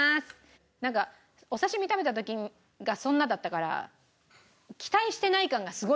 なんかお刺身食べた時がそんなだったから期待してない感がすごいのよ２人。